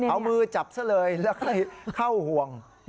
เอามือจับซะเลยแล้วก็เข้าห่วง